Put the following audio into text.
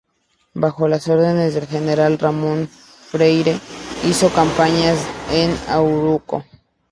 Bajo las órdenes del general Ramón Freire hizo campañas en Arauco.